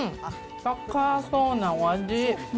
高そうなお味。